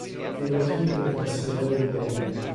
Floki la considerava indegna.